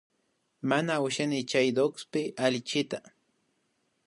Mana ushanichu chay DOCSpi allichiyta